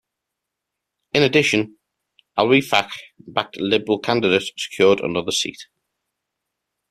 In addition, Al-Wefaq backed liberal candidate secured another seat.